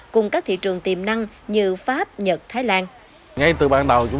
cùng các thị trường tiềm năng như pháp nhật thái lan